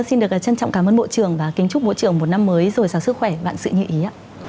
xin được trân trọng cảm ơn bộ trưởng và kính chúc bộ trưởng một năm mới rồi sạc sức khỏe bạn sự nghĩa